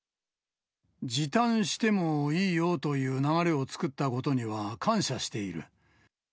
時短してもいいよという流れを作ったことには感謝している。